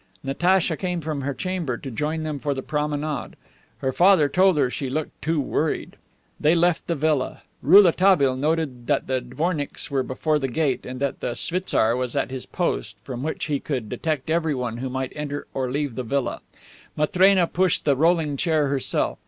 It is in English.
Natacha came from her chamber to join them for the promenade. Her father told her she looked too worried. They left the villa. Rouletabille noted that the dvornicks were before the gate and that the schwitzar was at his post, from which he could detect everyone who might enter or leave the villa. Matrena pushed the rolling chair herself.